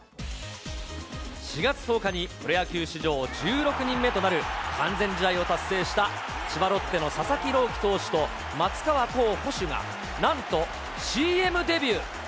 ４月１０日にプロ野球史上１６人目となる完全試合を達成した千葉ロッテの佐々木朗希投手と松川虎生捕手が、なんとＣＭデビュー。